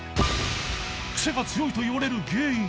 ［クセが強いといわれる原因。